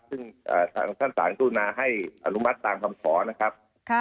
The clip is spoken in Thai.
ซึ่งท่านสารกรุณาให้อนุมัติตามคำขอนะครับ